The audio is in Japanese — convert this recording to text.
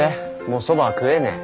もうそばは食えねえ。